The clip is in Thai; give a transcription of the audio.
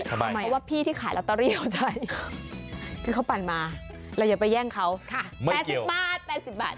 เพราะว่าพี่ที่ขายลอตเตอรี่เข้าใจคือเขาปั่นมาเราอย่าไปแย่งเขา๘๐บาท๘๐บาท